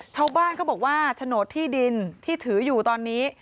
ชาวบ้านเขาบอกว่าโฉนดที่ดินที่ถืออยู่ตอนนี้